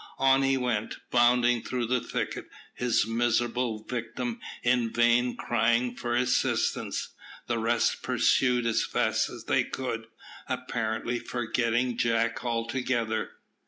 On he went, bounding through the thicket, his miserable victim in vain crying for assistance. The rest pursued as fast as they could, apparently forgetting Jack altogether.